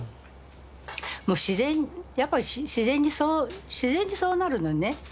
もう自然やっぱり自然にそう自然にそうなるのね。